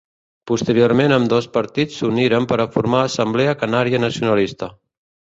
Posteriorment ambdós partits s'uniren per a formar Assemblea Canària Nacionalista.